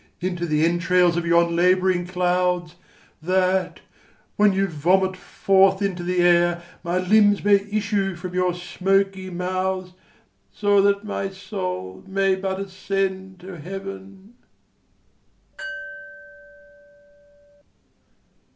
Into the entrails of yon labouring cloud[s], That, when you vomit forth into the air, My limbs may issue from your smoky mouths, So that my soul may but ascend to heaven!